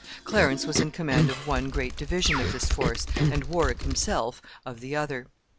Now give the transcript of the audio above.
Clarence was in command of one great division of this force, and Warwick himself of the other.